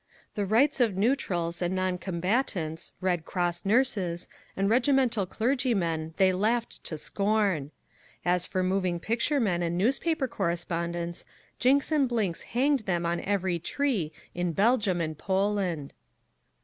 The rights of neutrals and non combatants, Red Cross nurses, and regimental clergymen they laughed to scorn. As for moving picture men and newspaper correspondents, Jinks and Blinks hanged them on every tree in Belgium and Poland.